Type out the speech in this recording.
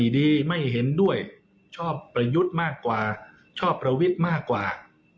ดีไม่เห็นด้วยชอบประยุทธ์มากกว่าชอบประวิทย์มากกว่า